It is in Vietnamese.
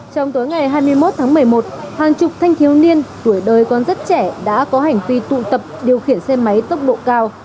trong tối ngày hai mươi một tháng một mươi một hàng chục thanh thiếu niên tuổi đời còn rất trẻ đã có hành vi tụ tập điều khiển xe máy tốc độ cao